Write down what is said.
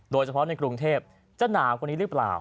โดยเฉพาะในกรุงเทพจะหนาวกว่านี้หรือเปล่า